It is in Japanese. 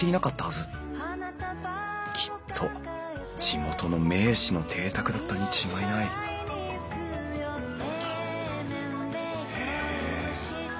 きっと地元の名士の邸宅だったに違いないへえ。